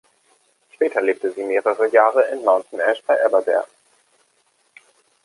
Später lebte sie mehrere Jahre in Mountain Ash bei Aberdare.